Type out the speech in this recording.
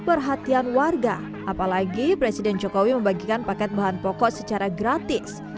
perhatian warga apalagi presiden jokowi membagikan paket bahan pokok secara gratis